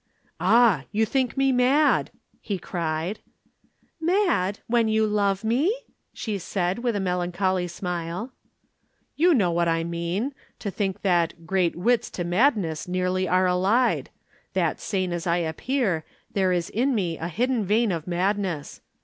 "Ah, you think me mad!" he cried. "Mad when you love me?" she said, with a melancholy smile. "You know what I mean. You think that 'great wits to madness nearly are allied,' that sane as I appear, there is in me a hidden vein of madness.